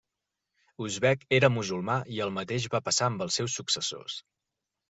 Uzbek era musulmà i el mateix va passar amb els seus successors.